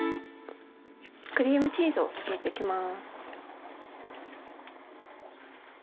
クリームチーズを入れていきます。